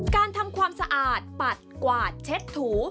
การทำความสะอาดปัดกวาดเช็ดถู